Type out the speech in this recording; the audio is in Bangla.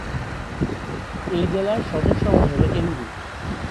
এই জেলার সদর শহর হল এলুরু।